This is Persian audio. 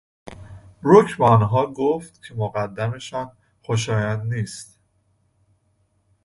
رک به آنها گفت که مقدمشان خوشایند نیست.